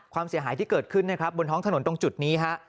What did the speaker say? ความเสียหายที่เกิดขึ้นนะครับบนท้องถนนตรงจุดนี้ฮะ